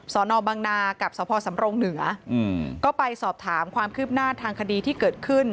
นบังนากับสพสำรงเหนือก็ไปสอบถามความคืบหน้าทางคดีที่เกิดขึ้น